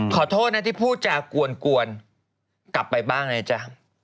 ขอโทษนะที่พูดจากวนกลับไปบ้างนะจ๊ะ